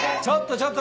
ちょっと。